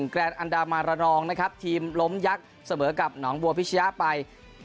แกรนดอันดามาระนองนะครับทีมล้มยักษ์เสมอกับหนองบัวพิชยะไป